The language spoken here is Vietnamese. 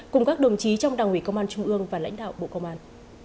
cùng các đồng chí trong đảng ủy công an trung ương và lãnh đạo bộ công an